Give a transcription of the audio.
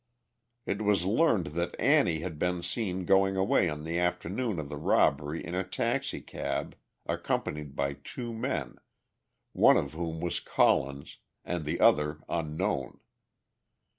It was learned that Annie had been seen going away on the afternoon of the robbery in a taxicab, accompanied by two men, one of whom was Collins, and the other unknown.